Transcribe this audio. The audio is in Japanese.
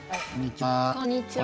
こんにちは。